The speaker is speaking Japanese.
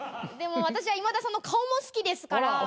でも私は今田さんの顔も好きですから。